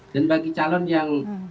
dan bagi calon yang